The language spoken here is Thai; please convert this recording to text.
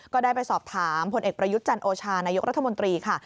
ก็ได้ไปสอบถามพลเอกประยุทธ์จันโอชานายกรัฐมนตรีค่ะ